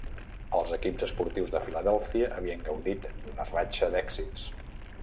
Els equips esportius de Filadèlfia havien gaudit d'una ratxa d'èxits.